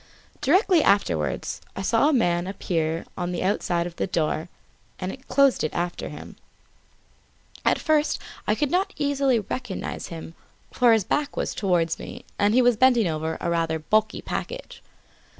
Directly afterwards I saw a man appear on the outside of the door, and close it after him. At first I could not recognise him, for his back was towards me and he was bending over a rather bulky package.